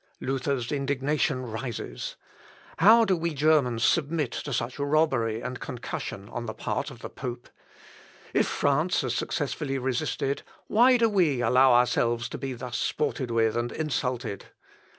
'" Luther's indignation rises. "How do we Germans submit to such robbery and concussion on the part of the pope? If France has successfully resisted, why do we allow ourselves to be thus sported with and insulted?